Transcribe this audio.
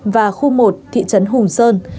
và khu một thị trấn hùng sơn